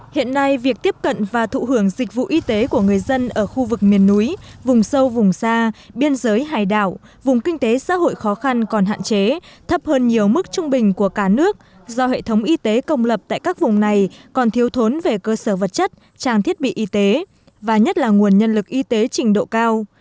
hiện nay việc tiếp cận và thụ hưởng dịch vụ y tế của người dân ở khu vực miền núi vùng sâu vùng xa biên giới hải đảo vùng kinh tế xã hội khó khăn còn hạn chế thấp hơn nhiều mức trung bình của cả nước do hệ thống y tế công lập tại các vùng này còn thiếu thốn về cơ sở vật chất trang thiết bị y tế và nhất là nguồn nhân lực y tế trình độ cao